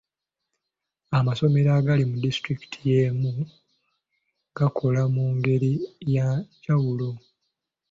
Amasomero agali mu disitulikiti y'emu gakola mu ngeri ya njawulo.